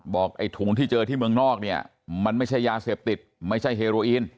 ไอ้ถุงที่เจอที่เมืองนอกเนี่ยมันไม่ใช่ยาเสพติดไม่ใช่เฮโรอีน